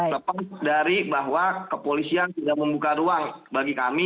lepas dari bahwa kepolisian tidak membuka ruang bagi kami